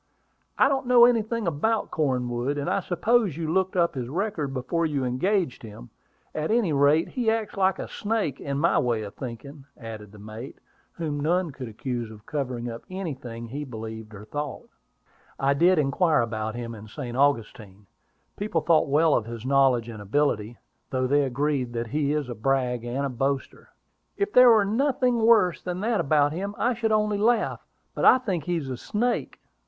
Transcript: "I don't know anything about Cornwood; and I suppose you looked up his record before you engaged him. At any rate, he acts like a snake, in my way of thinking," added the mate, whom none could accuse of covering up anything he believed or thought. "I did inquire about him in St. Augustine: people thought well of his knowledge and ability, though they agree that he is a brag and a boaster." "If there were nothing worse than that about him, I should only laugh. But I think he is a snake."